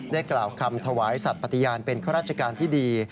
กล่าวคำถวายสัตว์ปฏิญาณเป็นข้าราชการที่ดี